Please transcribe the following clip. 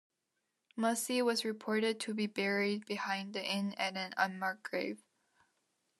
Mussey was reported to be buried behind the Inn in an unmarked grave.